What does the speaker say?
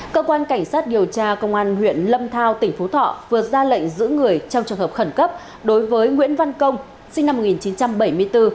cơ quan cảnh sát điều tra công an huyện lâm thao tỉnh phú thọ vừa ra lệnh giữ người trong trường hợp khẩn cấp đối với nguyễn văn công sinh năm một nghìn chín trăm bảy mươi bốn